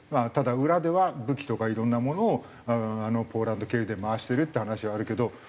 ただ裏では武器とかいろんなものをポーランド経由で回してるっていう話はあるけど。